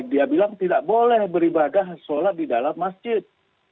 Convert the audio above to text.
dia bilang tidak boleh beribadah sholat di dalam masjid